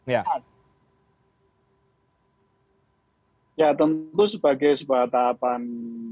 ya tentu sebagai sebuah tahapan